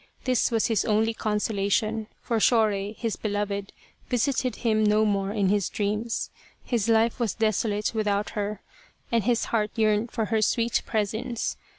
This was his only consolation, for Shorei, his beloved, visited him no more in his dreams. His life was desolate without her and his heart yearned for her sweet presence.